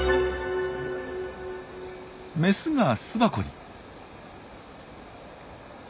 メスが巣箱に。